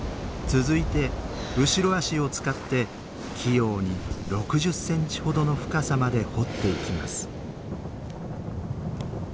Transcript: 続いて後ろ足を使って器用に６０センチほどの深さまで掘っていきます。